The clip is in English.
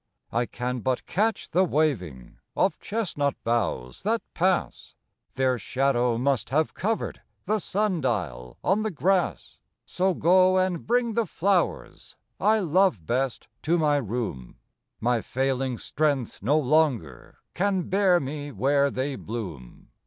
I can but catch the waving Of chestnut boughs that pass, Their shadow must have covered The sun dial on the grass. So go and bring the flowers I love best to my room, My failing strength no longer Can bear me where they bloom.